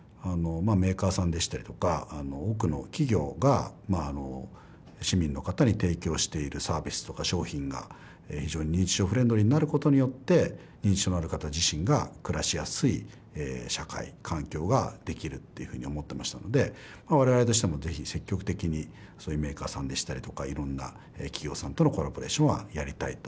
メーカーさんでしたりとか多くの企業が市民の方に提供しているサービスとか商品が非常に認知症フレンドリーになることによって認知症のある方自身が暮らしやすい社会環境ができるっていうふうに思ってましたので我々としてもぜひ積極的にそういうメーカーさんでしたりとかいろんな企業さんとのコラボレーションはやりたいと。